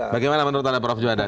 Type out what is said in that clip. bagaimana menurut anda prof juwanda